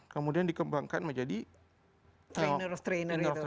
kemudian dikembangkan menjadi trainer trainer